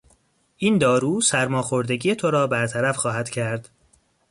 این دارو سرماخوردگی تو را برطرف خواهد کرد.